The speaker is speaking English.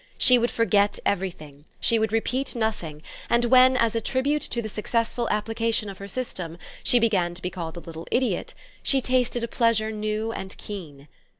She would forget everything, she would repeat nothing, and when, as a tribute to the successful application of her system, she began to be called a little idiot, she tasted a pleasure new and keen.